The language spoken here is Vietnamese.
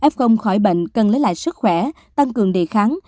f khỏi bệnh cần lấy lại sức khỏe tăng cường đề kháng